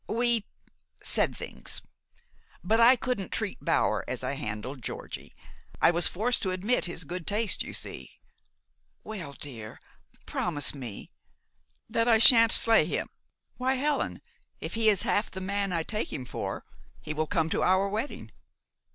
"We said things. But I couldn't treat Bower as I handled Georgie. I was forced to admit his good taste, you see." "Well, dear, promise me " "That I sha'n't slay him! Why, Helen, if he is half the man I take him for, he will come to our wedding.